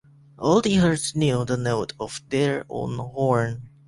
All the herds knew the note of their own horn.